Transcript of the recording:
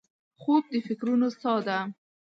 خوب د فکرونو سا ده